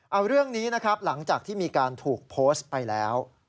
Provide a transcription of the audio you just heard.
เอาเรื่องนี้นะครับหลังจากที่มีการถูกโพสต์ไปแล้ว